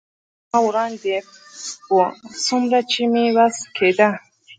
موټروانان تر ما وړاندې و، څومره چې مې وس کېده.